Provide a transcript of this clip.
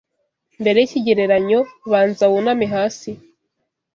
mbere yikigereranyo banza wuname hasi